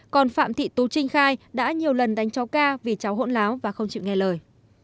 còn phạm thị tú trinh khai đã nhiều lần đánh cháu ca vì cháu hỗn láo và không chịu nghe lời